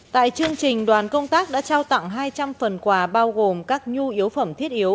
tại chương trình đoàn công tác đã trao tặng hai trăm linh phần quà bao gồm các nhu yếu phẩm thiết yếu